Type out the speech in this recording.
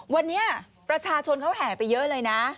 วันนี้ประชาชนเขาแห่ไปเยอะเลยนะ